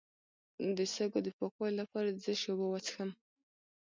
د سږو د پاکوالي لپاره د څه شي اوبه وڅښم؟